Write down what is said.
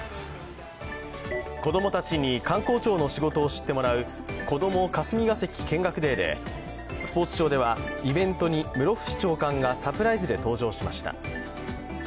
子供たちに官公庁の仕事を知ってもらうこども霞が関見学デーで、スポーツ庁では、イベントに室伏長官がサプライズで登場しました。